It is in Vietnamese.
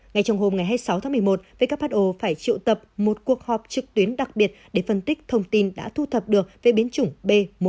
ngay trong hôm ngày hai mươi sáu tháng một mươi một who phải triệu tập một cuộc họp trực tuyến đặc biệt để phân tích thông tin đã thu thập được về biến chủng b một